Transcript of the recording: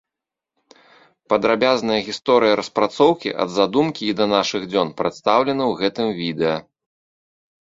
Падрабязная гісторыя распрацоўкі ад задумкі і да нашых дзён прадстаўлена ў гэтым відэа.